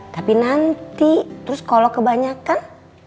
tapi nanti terus kalau kebanyakan